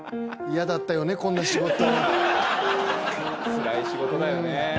つらい仕事だよね。